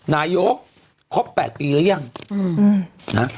นายกครบ๘ปีหรือยังนะ